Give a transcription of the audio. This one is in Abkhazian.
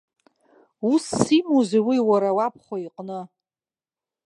Усс имоузеи уи уара уабхәа иҟны?